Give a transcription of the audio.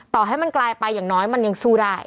ต่อให้มันกลายไปอย่างน้อยมันยังสู้ได้